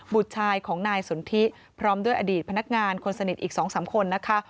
บุตรชายของนายสนทิพร้อมด้วยอดีตพนักงานคนสนิทอีก๒๓คนนะคะ